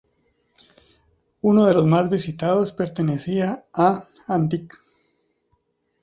Uno de los más visitados pertenecía a Antic.